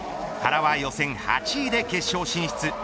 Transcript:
原は，予選８位で決勝進出。